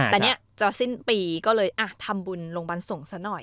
แต่นี่จะสิ้นปีก็เลยทำบุญลงบันสงฆ์ซะหน่อย